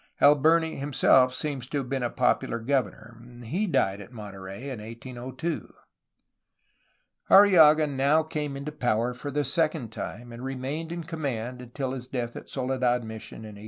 Alberni himself seems to have been a popular governor. He died at Monterey in 1802. 410 A HISTORY OF CALIFORNIA Arrillaga now came into power for the second time, and remained in command until his death at Soledad mission in 1814.